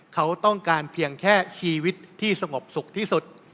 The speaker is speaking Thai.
เขาต้องการเพียงแค่ชีวิตที่สงบสุขที่สุด